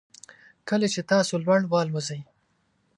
کله چې تاسو لوړ والوځئ